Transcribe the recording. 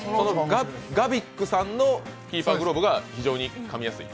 ＧＡＶｉＣさんのキーパーグローブが、非常にかみやすい？